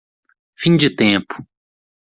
Fim de tempo